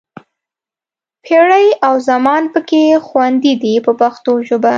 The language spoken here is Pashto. پېړۍ او زمان پکې خوندي دي په پښتو ژبه.